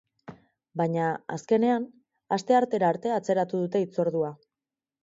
Baina, azkenean, asteartera arte atzeratu dute hitzordua.